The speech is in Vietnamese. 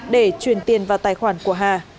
để chuyển tiền vào tài khoản của hà